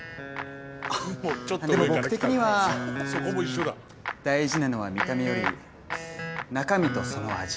あでも僕的には大事なのは見た目より中身とその味。